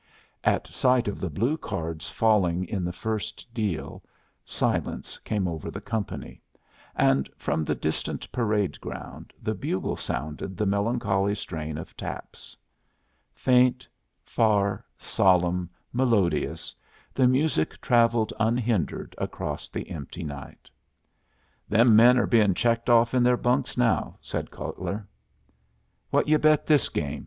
At sight of the blue cards falling in the first deal, silence came over the company, and from the distant parade ground the bugle sounded the melancholy strain of taps. Faint, far, solemn, melodious, the music travelled unhindered across the empty night. "Them men are being checked off in their bunks now," said Cutler. "What you bet this game?"